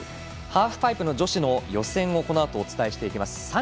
ハーフパイプ女子の予選をこのあとお伝えしていきます。